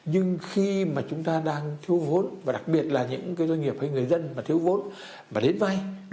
nhưng khi mà chúng ta đang thiếu vốn và đặc biệt là những cái doanh nghiệp hay người dân mà thiếu vốn và đến vay